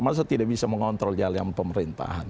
masa tidak bisa mengontrol jalan pemerintahan